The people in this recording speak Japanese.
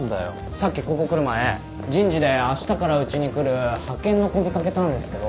さっきここ来る前人事で明日からうちに来る派遣の子見かけたんですけど。